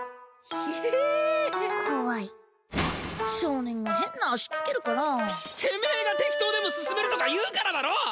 ひでえ怖い少年が変な足つけるからテメエがテキトーでも進めるとか言うからだろ！